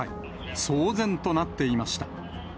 騒然となっていました。